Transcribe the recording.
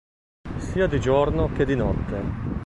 Sia di giorno che di notte.